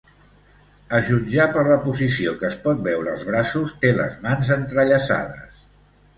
A jutjar per la posició que es pot veure als braços, té les mans entrellaçades.